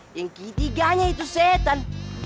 yang ketiganya itu setan